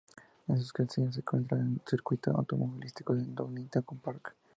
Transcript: En sus cercanías se encuentra el circuito automovilístico de Donington Park.